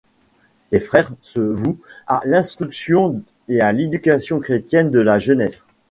Les frères se vouent à l'instruction et à l'éducation chrétienne de la jeunesse.